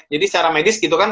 jadi secara medis gitu kan